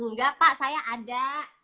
udah pak saya ada